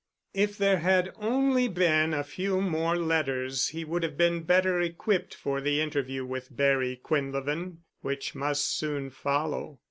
If there had only been a few more letters he would have been better equipped for the interview with Barry Quinlevin, which must soon follow.